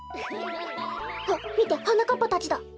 あみてはなかっぱたちだ。